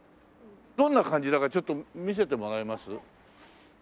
どんな感じだかちょっと見せてもらえます？